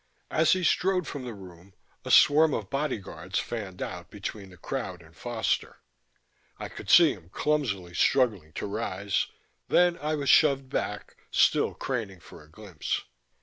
As he strode from the room a swarm of bodyguards fanned out between the crowd and Foster. I could see him clumsily struggling to rise, then I was shoved back, still craning for a glimpse.